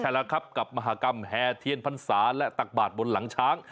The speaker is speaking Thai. ใช่แล้วครับกับมหากรรมแห่เทียนพรรษาและตักบาทบนหลังช้าง